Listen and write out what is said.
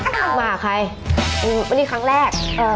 มาหาใครวันนี้ครั้งแรก